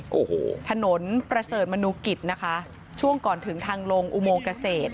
โอ้โหถนนประเสริฐมนุกิจนะคะช่วงก่อนถึงทางลงอุโมงเกษตร